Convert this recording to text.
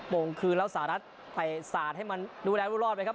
มงคืนแล้วสาดัดแต่สาดให้มันดูแลรู้รอดไปครับ